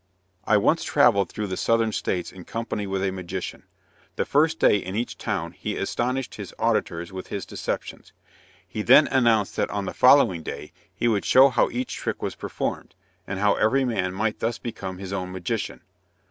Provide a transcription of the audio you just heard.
I once travelled through the Southern States in company with a magician. The first day in each town, he astonished his auditors with his deceptions. He then announced that on the following day he would show how each trick was performed, and how every man might thus become his own magician.